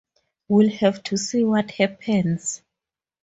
We’ll have to see what happens.